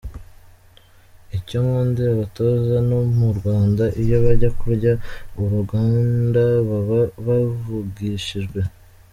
Icyo nkundira abatoza no mu Rwanda iyo bajya kurya urunganda baba bavugishijwe.